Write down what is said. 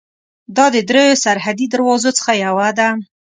دا د درېیو سرحدي دروازو څخه یوه ده.